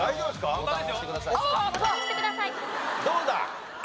どうだ？